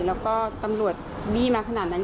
แล้วก็ตำรวจบี้มาขนาดนั้น